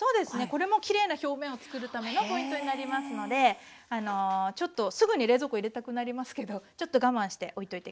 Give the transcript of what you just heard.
これもきれいな表面を作るためのポイントになりますのであのちょっとすぐに冷蔵庫入れたくなりますけどちょっと我慢しておいといて下さい。